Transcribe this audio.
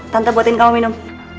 tante buatin kamu minum